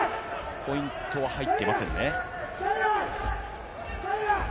ポイントは入っていませんね。